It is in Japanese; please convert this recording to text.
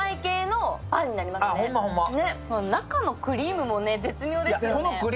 中のクリームも絶妙ですよね。